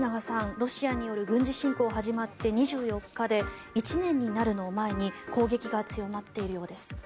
ロシアによる軍事侵攻が始まって２４日で１年になるのを前に攻撃が強まっているようです。